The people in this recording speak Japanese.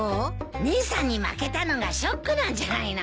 姉さんに負けたのがショックなんじゃないの？